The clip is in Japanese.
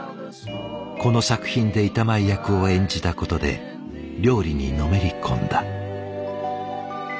この作品で板前役を演じたことで料理にのめり込んだ。